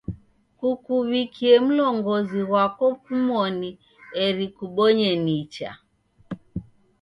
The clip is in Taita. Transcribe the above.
Kukuw'ikie mlongozo ghwako kumoni eri kubonye nicha.